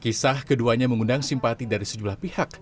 kisah keduanya mengundang simpati dari sejumlah pihak